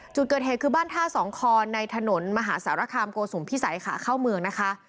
จุดเกิดเหตุคือบ้านท่าสองคอนในถนนมหาสารคามโกสุมพิสัยขาเข้าเมืองนะคะ